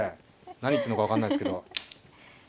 何言ってんのか分かんないですけど。